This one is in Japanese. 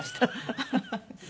ハハハハ。